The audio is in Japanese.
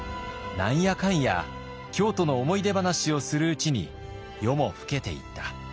「何やかんや京都の思い出話をするうちに夜も更けていった。